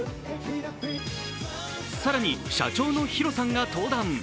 更に社長のＨＩＲＯさんが登壇。